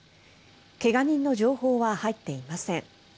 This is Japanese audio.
怪我人の情報は入っていません。